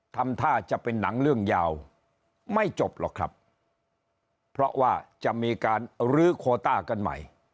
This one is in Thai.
ทำท่าจะเป็นหนังเรื่องยาวไม่จบหรอกครับเพราะว่าจะมีการลื้อโคต้ากันใหม่